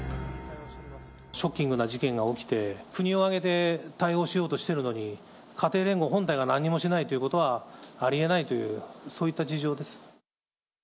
ショッキングな事件が起きて、国を挙げて対応しようとしてるのに、家庭連合本体が何もしないということはありえないという、そういった事情です。